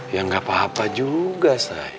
ya gak apa apa juga sayang